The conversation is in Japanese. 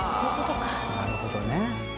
なるほどね。